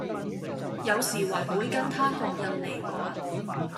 有時還會跟她學印尼話